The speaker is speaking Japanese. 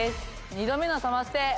二度目のサマステ